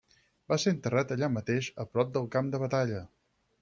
Va ser enterrat allà mateix, a prop del camp de batalla.